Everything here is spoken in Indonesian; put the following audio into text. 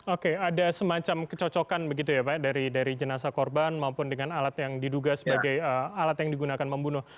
oke ada semacam kecocokan begitu ya pak dari jenazah korban maupun dengan alat yang diduga sebagai alat yang digunakan membunuh